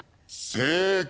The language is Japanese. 正解！